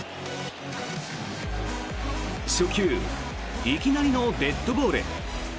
初球、いきなりのデッドボール。